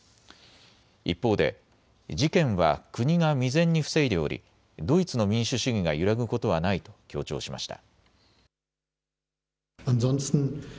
一方で事件は国が未然に防いでおり、ドイツの民主主義が揺らぐことはないと強調しました。